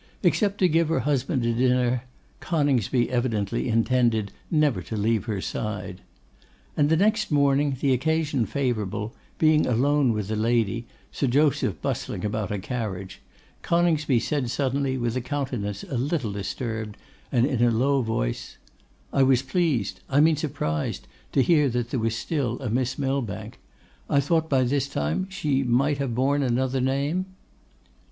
Except to give her husband a dinner, Coningsby evidently intended never to leave her side. And the next morning, the occasion favourable, being alone with the lady, Sir Joseph bustling about a carriage, Coningsby said suddenly, with a countenance a little disturbed, and in a low voice, 'I was pleased, I mean surprised, to hear that there was still a Miss Millbank; I thought by this time she might have borne another name?